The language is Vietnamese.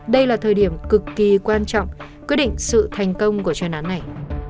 đây là thời điểm cực kỳ quan trọng quyết định sự thành công của chuyên án này